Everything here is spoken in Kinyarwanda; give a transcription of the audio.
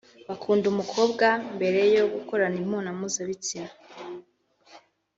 bakunda umukobwa mbere yo gukorana imibonano mpuzabitsina